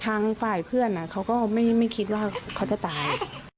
ทางฝ่ายเพื่อนเขาก็ไม่คิดว่าเขาจะตาย